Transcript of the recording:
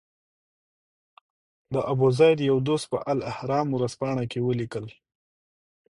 د ابوزید یو دوست په الاهرام ورځپاڼه کې ولیکل.